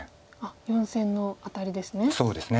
４線のアタリですね。